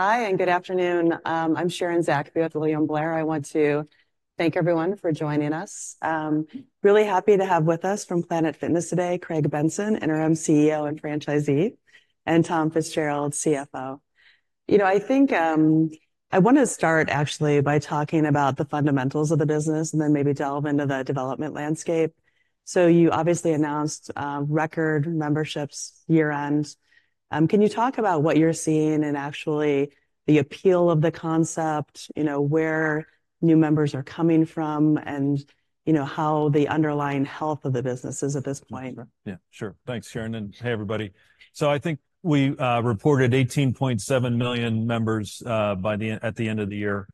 Hi, and good afternoon. I'm Sharon Zackfia, with William Blair. I want to thank everyone for joining us. Really happy to have with us from Planet Fitness today, Craig Benson, Interim CEO and Franchisee, and Tom Fitzgerald, CFO. You know, I think, I want to start actually by talking about the fundamentals of the business, and then maybe delve into the development landscape. So you obviously announced, record memberships year-end. Can you talk about what you're seeing and actually the appeal of the concept? You know, where new members are coming from, and you know, how the underlying health of the business is at this point? Yeah, sure. Thanks, Sharon, and hey, everybody. So I think we reported 18.7 million members by the end, at the end of the year.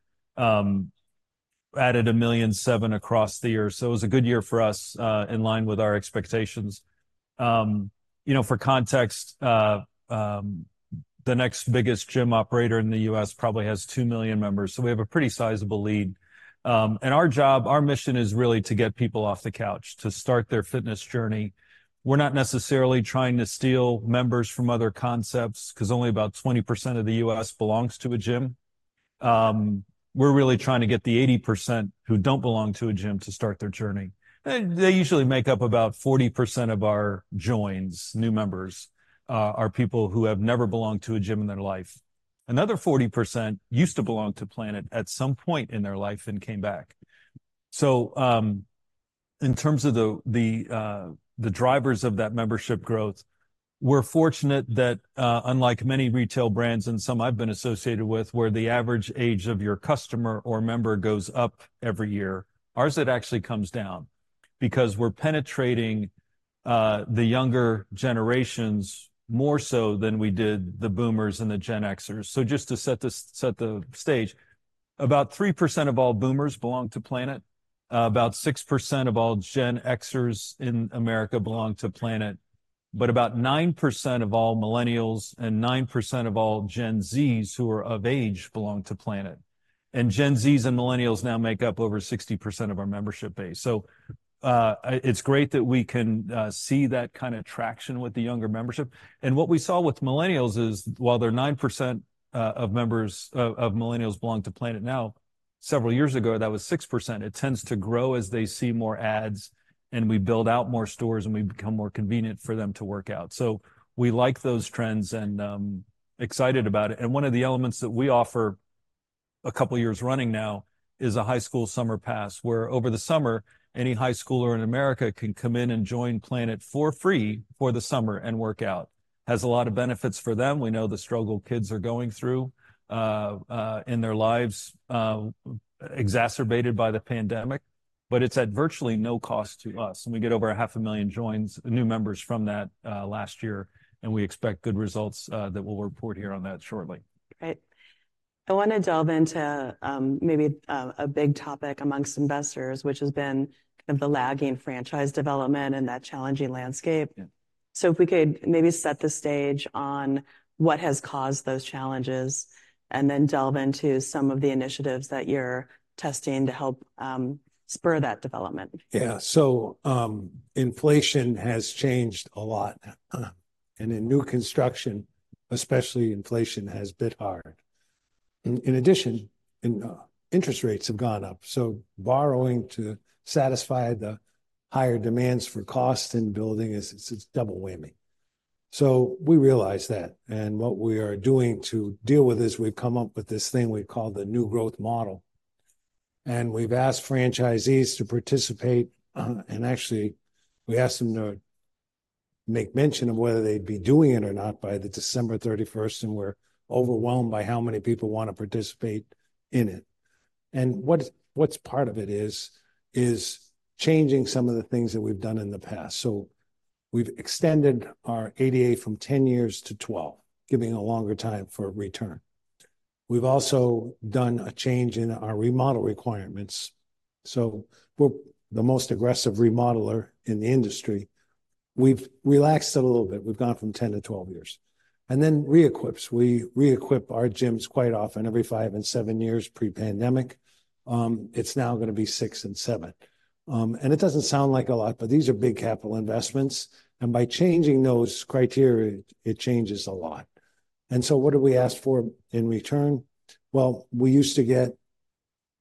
Added 1.007 million across the year, so it was a good year for us in line with our expectations. You know, for context, the next biggest gym operator in the U.S. probably has 2 million members, so we have a pretty sizable lead. And our job, our mission is really to get people off the couch, to start their fitness journey. We're not necessarily trying to steal members from other concepts, 'cause only about 20% of the U.S. belongs to a gym. We're really trying to get the 80% who don't belong to a gym to start their journey. They usually make up about 40% of our joins. New members are people who have never belonged to a gym in their life. Another 40% used to belong to Planet at some point in their life, and came back. So, in terms of the drivers of that membership growth, we're fortunate that, unlike many retail brands and some I've been associated with, where the average age of your customer or member goes up every year, ours it actually comes down, because we're penetrating the younger generations more so than we did the Boomers and the Gen Xers. So just to set the stage, about 3% of all Boomers belong to Planet, about 6% of all Gen Xers in America belong to Planet. But about 9% of all Millennials and 9% of all Gen Zs who are of age belong to Planet, and Gen Zs and Millennials now make up over 60% of our membership base. So, it's great that we can see that kind of traction with the younger membership. And what we saw with Millennials is, while they're 9%, of members... of Millennials belong to Planet now, several years ago, that was 6%. It tends to grow as they see more ads, and we build out more stores, and we become more convenient for them to work out. So we like those trends, and, excited about it. One of the elements that we offer a couple of years running now is a High School Summer Pass, where over the summer, any high schooler in America can come in and join Planet for free for the summer and work out. Has a lot of benefits for them. We know the struggle kids are going through, in their lives, exacerbated by the pandemic, but it's at virtually no cost to us, and we get over 500,000 joins, new members from that, last year, and we expect good results, that we'll report here on that shortly. Great. I want to delve into, maybe, a big topic amongst investors, which has been kind of the lagging franchise development and that challenging landscape. Yeah. If we could maybe set the stage on what has caused those challenges, and then delve into some of the initiatives that you're testing to help spur that development. Yeah. So, inflation has changed a lot, and in new construction, especially, inflation has hit hard. In addition, interest rates have gone up, so borrowing to satisfy the higher demands for cost in building is, it's double whammy. So we realize that, and what we are doing to deal with this, we've come up with this thing we call the New Growth Model, and we've asked franchisees to participate, and actually we asked them to make mention of whether they'd be doing it or not by December 31st, and we're overwhelmed by how many people want to participate in it. And what's part of it is changing some of the things that we've done in the past. So we've extended our ADA from 10 years to 12, giving a longer time for a return. We've also done a change in our remodel requirements, so we're the most aggressive remodeler in the industry. We've relaxed it a little bit. We've gone from 10 to 12 years. And then re-equips. We re-equip our gyms quite often, every 5 and 7 years pre-pandemic. It's now gonna be 6 and 7. And it doesn't sound like a lot, but these are big capital investments, and by changing those criteria, it changes a lot. And so what do we ask for in return? Well, we used to get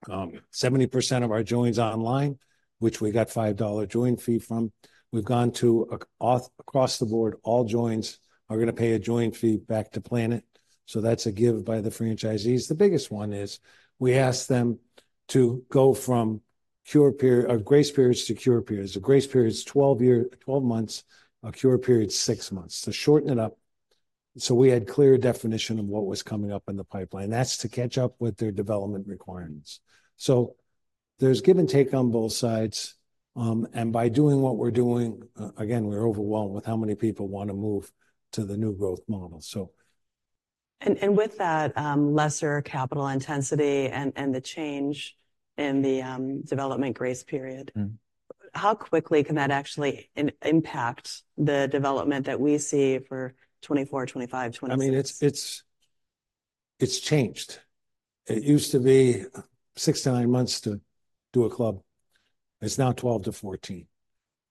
70% of our joins online, which we got $5 join fee from. We've gone to across the board, all joins are gonna pay a join fee back to Planet, so that's a give by the franchisees. The biggest one is, we ask them to go from cure period or grace periods to cure periods. The grace period's 12 months, a cure period's 6 months. So shorten it up, so we had clear definition of what was coming up in the pipeline, and that's to catch up with their development requirements. So there's give and take on both sides, and by doing what we're doing, again, we're overwhelmed with how many people want to move to the New Growth Model, so... And with that, lesser capital intensity and the change in the development grace period. Mm-hmm. How quickly can that actually impact the development that we see for 2024, 2025, 2026? I mean, it's changed. It used to be 6-9 months to do a club. It's now 12-14,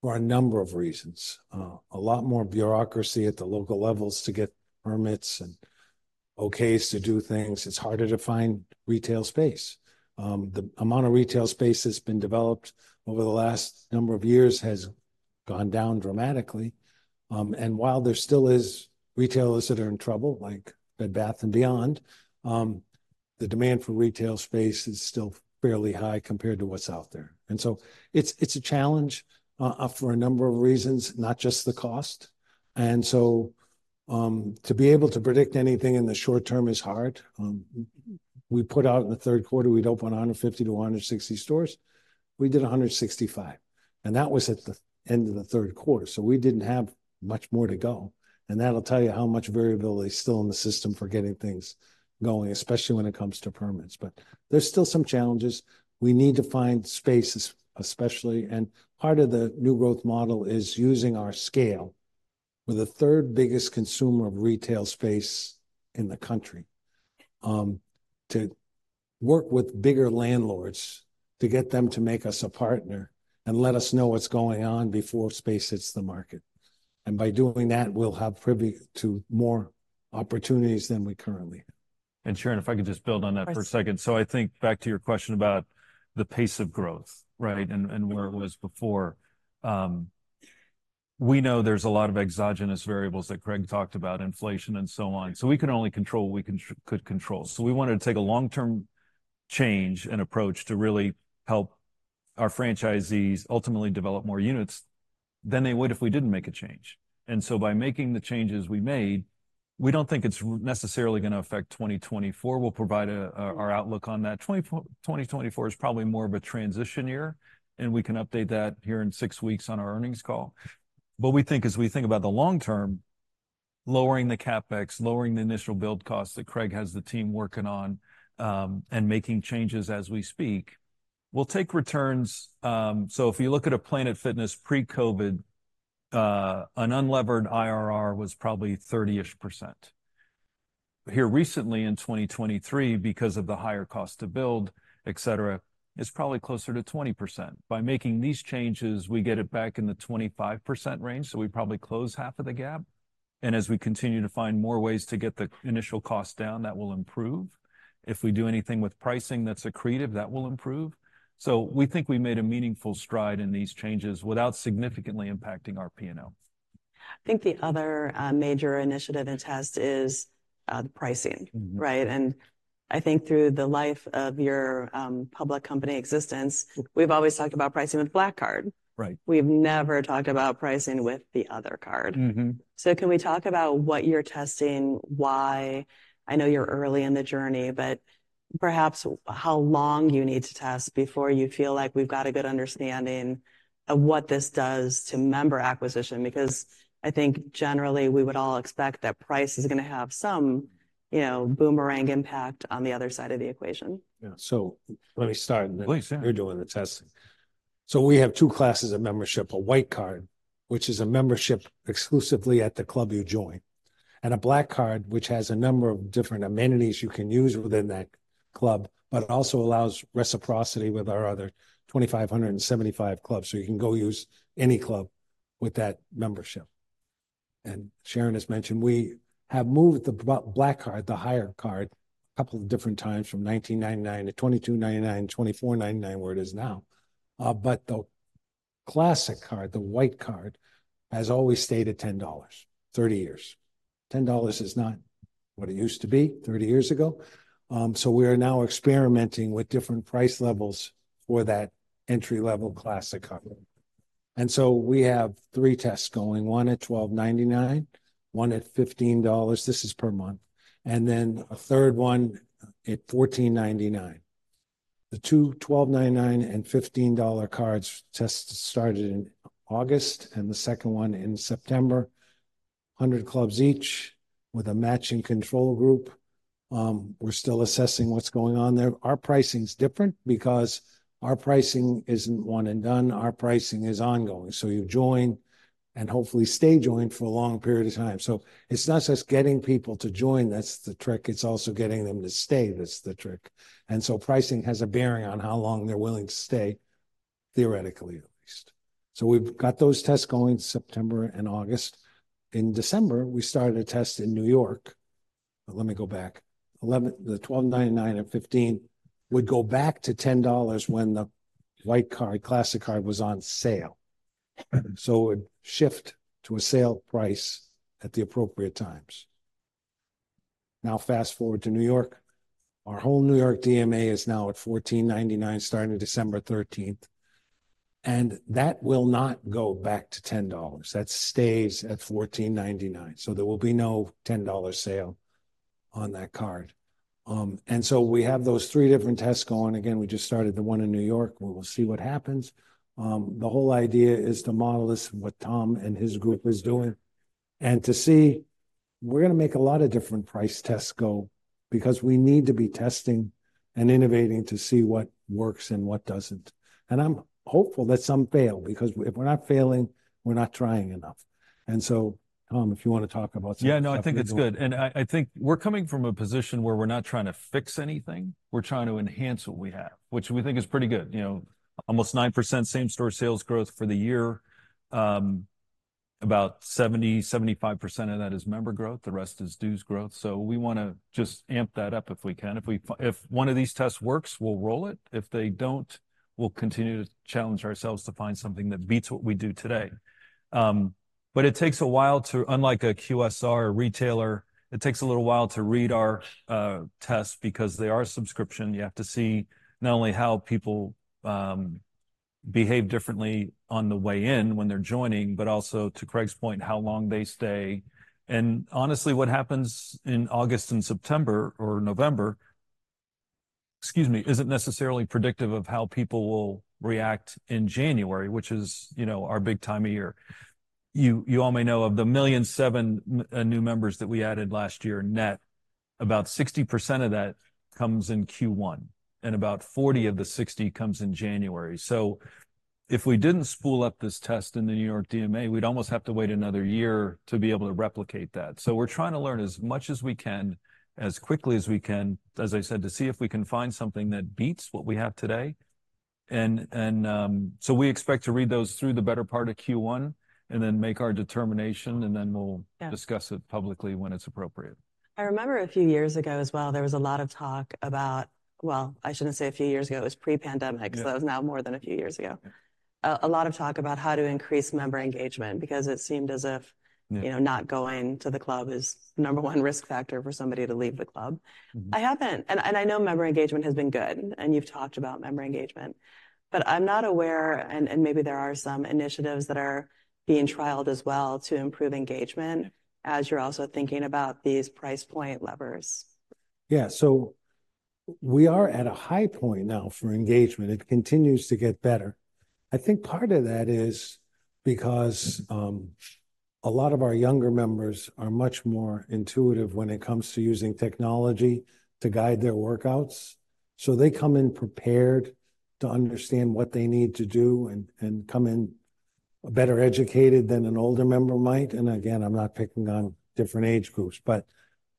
for a number of reasons. A lot more bureaucracy at the local levels to get permits and okays to do things. It's harder to find retail space. The amount of retail space that's been developed over the last number of years has gone down dramatically. And while there still is retailers that are in trouble, like Bed Bath & Beyond, the demand for retail space is still fairly high compared to what's out there. And so it's a challenge, for a number of reasons, not just the cost. And so, to be able to predict anything in the short term is hard. We put out in the third quarter, we'd open 150-160 stores. We did 165, and that was at the end of the third quarter, so we didn't have much more to go. And that'll tell you how much variability is still in the system for getting things going, especially when it comes to permits. But there's still some challenges. We need to find spaces, especially, and part of the New Growth Model is using our scale. We're the third biggest consumer of retail space in the country, to work with bigger landlords, to get them to make us a partner and let us know what's going on before space hits the market. And by doing that, we'll have privy to more opportunities than we currently have. Sharon, if I could just build on that for a second. Please. So I think back to your question about the pace of growth, right? And where it was before. We know there's a lot of exogenous variables that Craig talked about, inflation and so on, so we can only control what we could control. So we wanted to take a long-term change and approach to really help our franchisees ultimately develop more units than they would if we didn't make a change. And so, by making the changes we made, we don't think it's necessarily gonna affect 2024. We'll provide our outlook on that. 2024 is probably more of a transition year, and we can update that here in six weeks on our earnings call. We think as we think about the long term, lowering the CapEx, lowering the initial build costs that Craig has the team working on, and making changes as we speak, will take returns. So if you look at a Planet Fitness pre-COVID, an unlevered IRR was probably 30-ish%. But here recently in 2023, because of the higher cost to build, et cetera, it's probably closer to 20%. By making these changes, we get it back in the 25% range, so we probably close half of the gap, and as we continue to find more ways to get the initial cost down, that will improve. If we do anything with pricing that's accretive, that will improve. So we think we made a meaningful stride in these changes without significantly impacting our P&L. I think the other, major initiative and test is, the pricing. Mm-hmm. Right? And I think through the life of your public company existence, we've always talked about pricing with the Black Card. Right. We've never talked about pricing with the other card. Mm-hmm. So can we talk about what you're testing, why? I know you're early in the journey, but perhaps how long you need to test before you feel like we've got a good understanding of what this does to member acquisition? Because I think generally, we would all expect that price is gonna have some, you know, boomerang impact on the other side of the equation. Yeah. So let me start- Please, yeah. You're doing the testing. So we have two classes of membership: a White Card, which is a membership exclusively at the club you join, and a Black Card, which has a number of different amenities you can use within that club, but it also allows reciprocity with our other 2,575 clubs. So you can go use any club with that membership. And Sharon has mentioned, we have moved the Black Card, the higher card, a couple of different times from $19.99 to $22.99, $24.99, where it is now. But the Classic Card, the White Card, has always stayed at $10, 30 years. $10 is not what it used to be 30 years ago, so we are now experimenting with different price levels for that entry-level Classic Card. And so we have three tests going, one at $12.99, one at $15, this is per month, and then a third one at $14.99. The two $12.99 and $15 dollar cards tests started in August, and the second one in September, 100 clubs each with a matching control group. We're still assessing what's going on there. Our pricing's different because our pricing isn't one and done, our pricing is ongoing. So you join and hopefully stay joined for a long period of time. So it's not just getting people to join that's the trick, it's also getting them to stay that's the trick. And so pricing has a bearing on how long they're willing to stay, theoretically, at least. So we've got those tests going September and August. In December, we started a test in New York. But let me go back. The $12.99 and 15 would go back to $10 when the White Card, Classic Card was on sale. So it would shift to a sale price at the appropriate times. Now, fast-forward to New York. Our whole New York DMA is now at $14.99, starting December 13th, and that will not go back to $10. That stays at $14.99, so there will be no $10 sale on that card. And so we have those three different tests going. Again, we just started the one in New York, where we'll see what happens. The whole idea is to model this with Tom and his group is doing, and to see... We're gonna make a lot of different price tests go, because we need to be testing and innovating to see what works and what doesn't. I'm hopeful that some fail, because if we're not failing, we're not trying enough. And so, Tom, if you want to talk about some- Yeah, no, I think it's good. And I, I think we're coming from a position where we're not trying to fix anything, we're trying to enhance what we have, which we think is pretty good. You know, almost 9% same-store sales growth for the year, about 70%-75% of that is member growth, the rest is dues growth. So we wanna just amp that up if we can. If we if one of these tests works, we'll roll it. If they don't, we'll continue to challenge ourselves to find something that beats what we do today. But it takes a while to, unlike a QSR or retailer, it takes a little while to read our tests, because they are a subscription. You have to see not only how people behave differently on the way in when they're joining, but also, to Craig's point, how long they stay. And honestly, what happens in August and September or November, excuse me, isn't necessarily predictive of how people will react in January, which is, you know, our big time of year. You, you all may know, of the 1.007 million new members that we added last year net, about 60% of that comes in Q1, and about 40 of the 60 comes in January. So if we didn't spool up this test in the New York DMA, we'd almost have to wait another year to be able to replicate that. So we're trying to learn as much as we can, as quickly as we can, as I said, to see if we can find something that beats what we have today. We expect to read those through the better part of Q1 and then make our determination, and then we'll- Yeah... discuss it publicly when it's appropriate. I remember a few years ago as well, there was a lot of talk about... Well, I shouldn't say a few years ago. It was pre-pandemic- Yeah... so that was now more than a few years ago. Yeah. A lot of talk about how to increase member engagement, because it seemed as if- Yeah... you know, not going to the club is number 1 risk factor for somebody to leave the club. Mm-hmm. I haven't. And I know member engagement has been good, and you've talked about member engagement, but I'm not aware, and maybe there are some initiatives that are being trialed as well to improve engagement, as you're also thinking about these price point levers. Yeah, so we are at a high point now for engagement. It continues to get better. I think part of that is because a lot of our younger members are much more intuitive when it comes to using technology to guide their workouts. So they come in prepared to understand what they need to do and come in better educated than an older member might. And again, I'm not picking on different age groups. But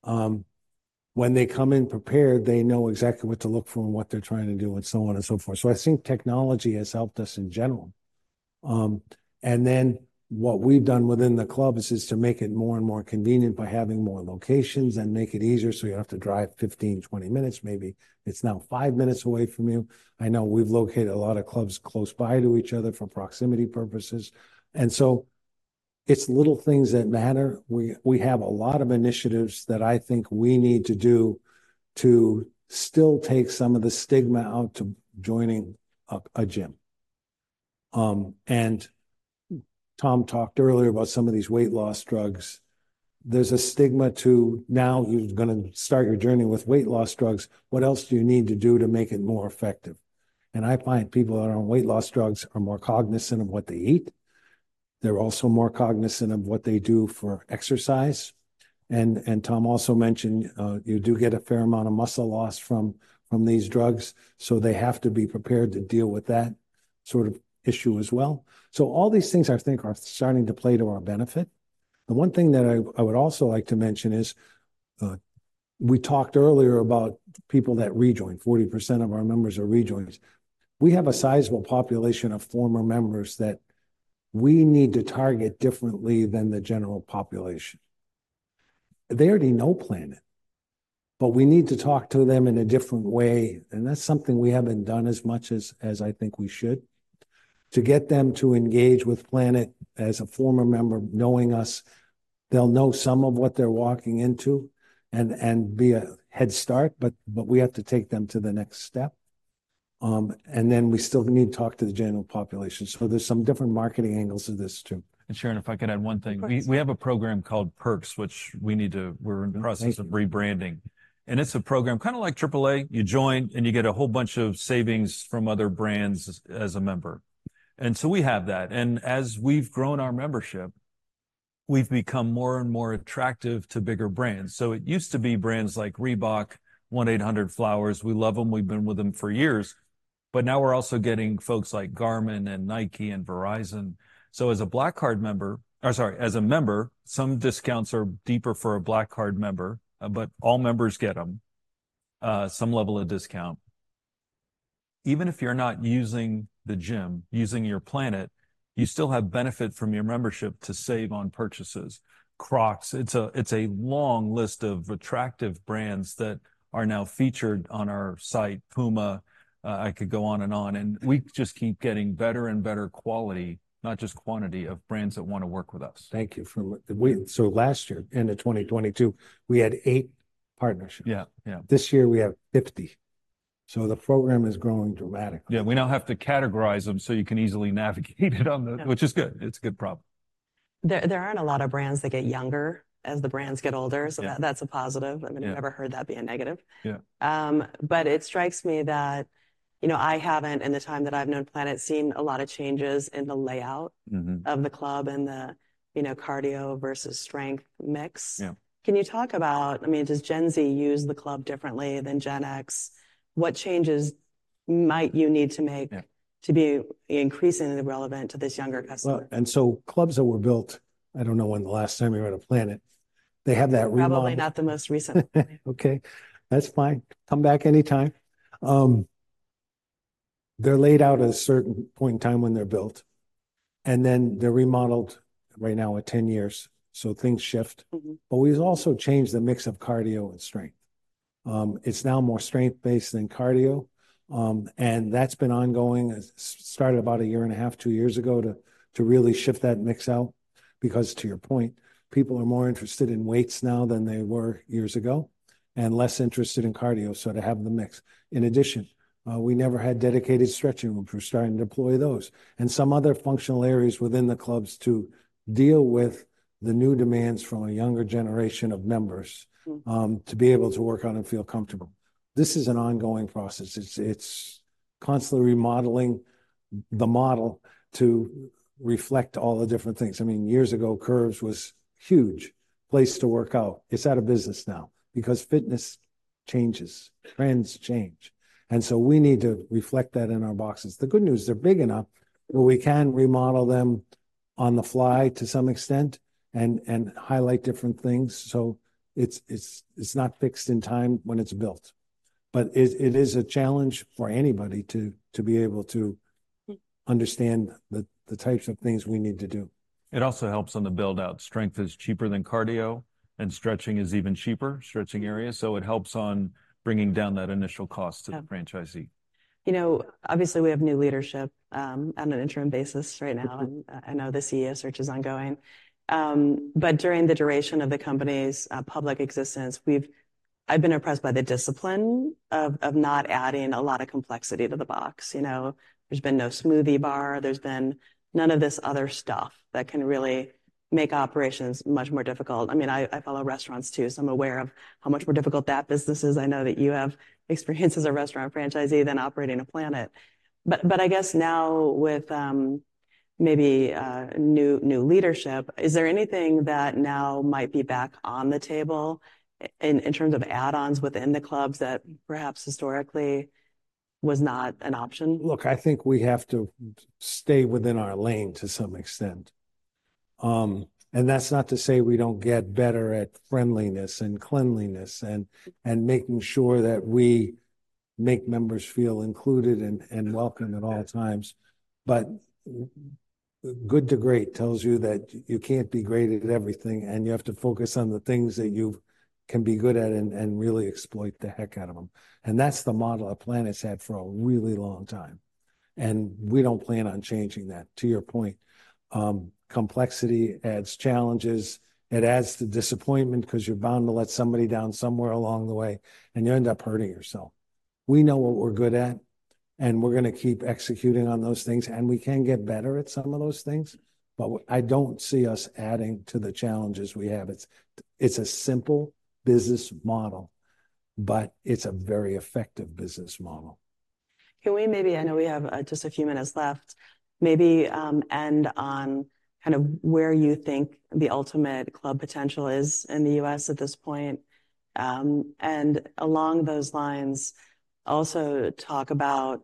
when they come in prepared, they know exactly what to look for and what they're trying to do, and so on and so forth. So I think technology has helped us in general. And then what we've done within the clubs is to make it more and more convenient by having more locations, and make it easier so you don't have to drive 15, 20 minutes. Maybe it's now five minutes away from you. I know we've located a lot of clubs close by to each other for proximity purposes, and so it's little things that matter. We have a lot of initiatives that I think we need to do to still take some of the stigma out of joining a gym. And Tom talked earlier about some of these weight loss drugs. There's a stigma to now you're gonna start your journey with weight loss drugs, what else do you need to do to make it more effective? And I find people that are on weight loss drugs are more cognizant of what they eat. They're also more cognizant of what they do for exercise. Tom also mentioned, you do get a fair amount of muscle loss from these drugs, so they have to be prepared to deal with that sort of issue as well. So all these things, I think, are starting to play to our benefit. The one thing that I would also like to mention is, we talked earlier about people that rejoin. 40% of our members are rejoins. We have a sizable population of former members that we need to target differently than the general population. They already know Planet, but we need to talk to them in a different way, and that's something we haven't done as much as I think we should. To get them to engage with Planet as a former member, knowing us, they'll know some of what they're walking into and be a head start, but we have to take them to the next step. And then we still need to talk to the general population. So there's some different marketing angles to this, too. Sharon, if I could add one thing. Of course. We have a program called Perks, which we need to- Mm, great... we're in the process of rebranding. And it's a program kind of like AAA. You join, and you get a whole bunch of savings from other brands as a member. And so we have that, and as we've grown our membership, we've become more and more attractive to bigger brands. So it used to be brands like Reebok, 1-800-Flowers. We love them. We've been with them for years, but now we're also getting folks like Garmin and Nike and Verizon. So as a Black Card member, or sorry, as a member, some discounts are deeper for a Black Card member, but all members get them, some level of discount. Even if you're not using the gym, using your Planet, you still have benefit from your membership to save on purchases. Crocs, it's a long list of attractive brands that are now featured on our site. Puma, I could go on and on. We just keep getting better and better quality, not just quantity, of brands that wanna work with us. Thank you. So last year, end of 2022, we had eight partnerships. Yeah, yeah. This year we have 50, so the program is growing dramatically. Yeah, we now have to categorize them, so you can easily navigate it on the- Yeah... which is good. It's a good problem. There aren't a lot of brands that get younger as the brands get older. Yeah... so that's a positive. Yeah. I mean, I've never heard that be a negative. Yeah. But it strikes me that, you know, I haven't, in the time that I've known Planet, seen a lot of changes in the layout- Mm-hmm... of the club and the, you know, cardio versus strength mix. Yeah. Can you talk about, I mean, does Gen Z use the club differently than Gen X? What changes might you need to make? Yeah... to be increasingly relevant to this younger customer? Well, and so clubs that were built, I don't know when the last time you were at a Planet, they have that remodel- Probably not the most recent. Okay, that's fine. Come back anytime. They're laid out at a certain point in time when they're built, and then they're remodeled right now at 10 years, so things shift. Mm-hmm. But we've also changed the mix of cardio and strength. It's now more strength-based than cardio, and that's been ongoing. It started about 1.5 years, 2 years ago, to really shift that mix out, because, to your point, people are more interested in weights now than they were years ago and less interested in cardio, so to have the mix. In addition, we never had dedicated stretching, and we're starting to deploy those and some other functional areas within the clubs to deal with the new demands from a younger generation of members- Mm... to be able to work out and feel comfortable. This is an ongoing process. It's constantly remodeling the model to reflect all the different things. I mean, years ago, Curves was huge place to work out. It's out of business now because fitness changes, trends change, and so we need to reflect that in our boxes. The good news, they're big enough where we can remodel them on the fly to some extent and highlight different things, so it's not fixed in time when it's built. But it is a challenge for anybody to be able to- Mm... understand the types of things we need to do. It also helps on the build-out. Strength is cheaper than cardio, and stretching is even cheaper, stretching areas, so it helps on bringing down that initial cost- Yeah... to the franchisee. You know, obviously, we have new leadership on an interim basis right now- Mm. And I know the CEO search is ongoing. But during the duration of the company's public existence, I've been impressed by the discipline of not adding a lot of complexity to the box. You know, there's been no smoothie bar, there's been none of this other stuff that can really make operations much more difficult. I mean, I follow restaurants, too, so I'm aware of how much more difficult that business is. I know that you have experience as a restaurant franchisee, then operating a Planet. But I guess now with maybe new leadership, is there anything that now might be back on the table in terms of add-ons within the clubs that perhaps historically was not an option? Look, I think we have to stay within our lane to some extent. And that's not to say we don't get better at friendliness and cleanliness and, and making sure that we make members feel included and, and welcome at all times. But Good to Great tells you that you can't be great at everything, and you have to focus on the things that you can be good at and, and really exploit the heck out of them, and that's the model our Planet's had for a really long time, and we don't plan on changing that. To your point, complexity adds challenges. It adds to disappointment 'cause you're bound to let somebody down somewhere along the way, and you end up hurting yourself. We know what we're good at, and we're going to keep executing on those things, and we can get better at some of those things, but I don't see us adding to the challenges we have. It's, it's a simple business model, but it's a very effective business model. Can we maybe? I know we have just a few minutes left, maybe end on kind of where you think the ultimate club potential is in the U.S. at this point? And along those lines, also talk about,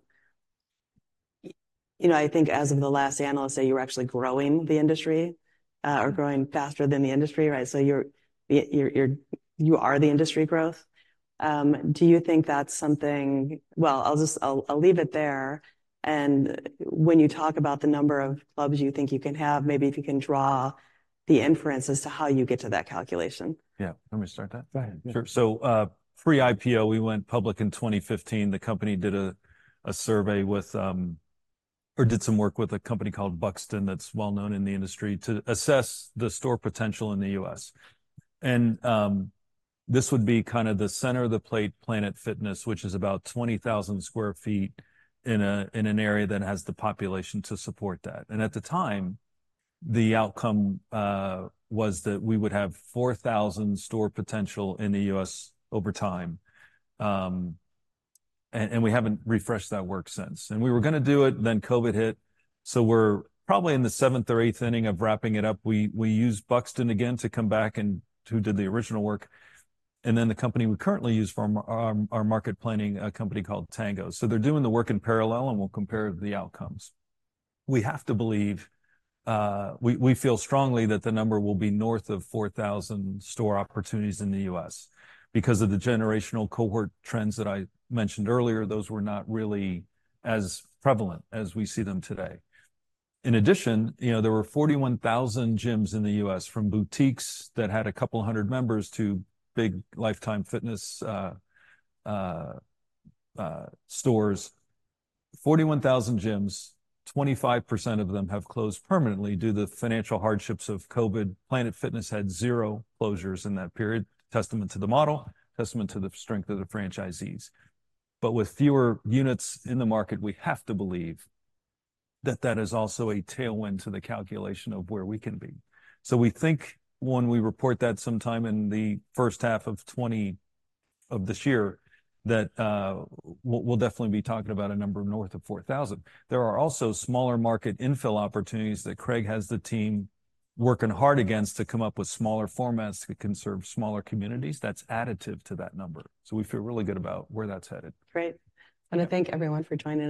you know, I think as of the last Analyst Day, you're actually growing the industry, or growing faster than the industry, right? So you're, you are the industry growth. Do you think that's something? Well, I'll just leave it there, and when you talk about the number of clubs you think you can have, maybe if you can draw the inference as to how you get to that calculation. Yeah. You want me to start that? Go ahead. Sure. So, pre-IPO, we went public in 2015. The company did some work with a company called Buxton, that's well known in the industry, to assess the store potential in the U.S. And, this would be kind of the center of the plate, Planet Fitness, which is about 20,000 sq ft in an area that has the population to support that. And at the time, the outcome was that we would have 4,000 store potential in the U.S. over time. And we haven't refreshed that work since. And we were going to do it, then COVID hit, so we're probably in the seventh or eighth inning of wrapping it up. We used Buxton again to come back and who did the original work, and then the company we currently use for our market planning, a company called Tango. So they're doing the work in parallel, and we'll compare the outcomes. We have to believe. We feel strongly that the number will be north of 4,000 store opportunities in the US. Because of the generational cohort trends that I mentioned earlier, those were not really as prevalent as we see them today. In addition, you know, there were 41,000 gyms in the US, from boutiques that had a couple of hundred members to big Life Time Fitness stores. 41,000 gyms, 25% of them have closed permanently due to the financial hardships of COVID. Planet Fitness had zero closures in that period. Testament to the model, testament to the strength of the franchisees. But with fewer units in the market, we have to believe that that is also a tailwind to the calculation of where we can be. So we think when we report that sometime in the first half of 2020, of this year, that, we'll definitely be talking about a number north of 4,000. There are also smaller market infill opportunities that Craig has the team working hard against to come up with smaller formats that can serve smaller communities. That's additive to that number, so we feel really good about where that's headed. Great. Want to thank everyone for joining.